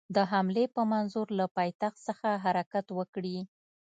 د حملې په منظور له پایتخت څخه حرکت وکړي.